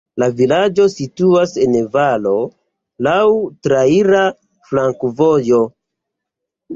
La vilaĝo situas en valo, laŭ traira flankovojo.